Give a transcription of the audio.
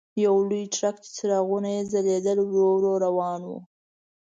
یو لوی ټرک چې څراغونه یې ځلېدل ورو ورو روان و.